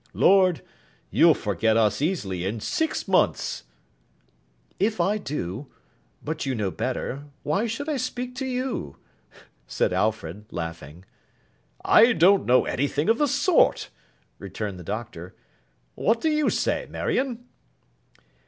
Lord, you'll forget us easily in six months!' 'If I do—But you know better; why should I speak to you!' said Alfred, laughing. 'I don't know anything of the sort,' returned the Doctor. 'What do you say, Marion?